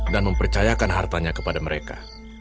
dan mempercayakan hartanya kepada mereka